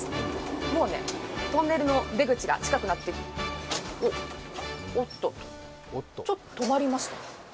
もうね、トンネルの出口が近くなっておっと、止まりました。